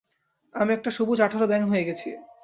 আমি একটা সবুজ আঠালো ব্যাঙ হয়ে গেছি!